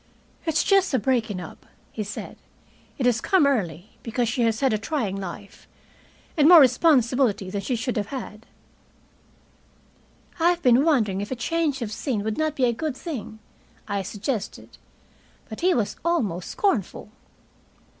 "It's just a breaking up," he said. "It has come early, because she has had a trying life, and more responsibility than she should have had." "I have been wondering if a change of scene would not be a good thing," I suggested. But he was almost scornful.